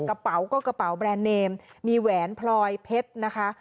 กระเป๋าก็กระเป๋าแบรนด์เนมมีแหวนพลอยเพชรนะคะ